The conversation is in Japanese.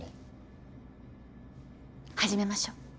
始めましょう。